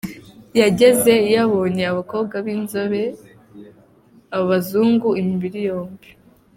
yagenze, yabonye abakobwa b’inzobe, abazungu, imibiri yombi